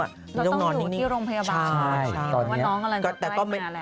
ต้องนอนนิดนึงใช่ตอนนี้ต้องอยู่ที่โรงพยาบาลว่าน้องกำลังจะใกล้ขนาดแล้ว